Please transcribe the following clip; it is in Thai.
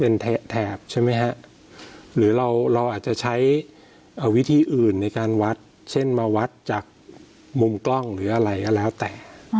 เป็นแถบใช่ไหมฮะหรือเราอาจจะใช้วิธีอื่นในการวัดเช่นมาวัดจากมุมกล้องหรืออะไรก็แล้วแต่